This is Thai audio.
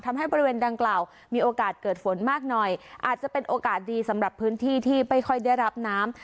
บริเวณดังกล่าวมีโอกาสเกิดฝนมากหน่อยอาจจะเป็นโอกาสดีสำหรับพื้นที่ที่ไม่ค่อยได้รับน้ำ